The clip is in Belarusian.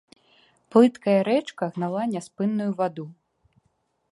Плыткая рэчка гнала няспынную ваду.